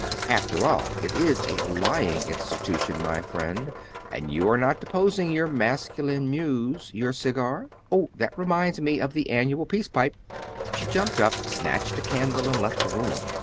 "After all, it is a lying institution, my friend; and are you not deposing your masculine muse, your cigar? Oh, that reminds me of the annual peace pipe." She jumped up, snatched a candle, and left the room.